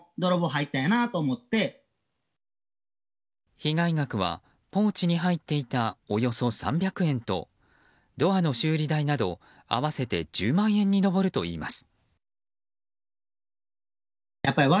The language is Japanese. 被害額はポーチに入っていたおよそ３００円とドアの修理代など、合わせて１０万円に上るといいます。